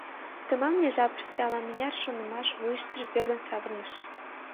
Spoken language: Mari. Тыманме жапыште ала-мыняр шонымаш вуйыштыжо пӧрдын савырныш.